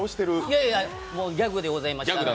いやいやギャグでございます。